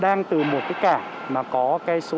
đang từ một tất cả mà có cây sông